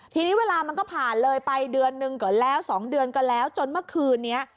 ทีนี้เวลามันก็ผ่านเลยไปเดือนหนึ่งก็แล้ว๒เดือนก็แล้วจนเมื่อคืนนี้